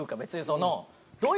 その。